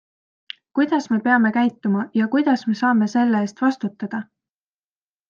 Kuidas me peame käituma ja kuidas me saame selle eest vastutada?